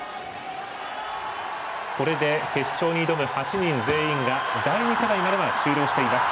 これで、決勝に挑む８人全員が第２課題までは終了しています。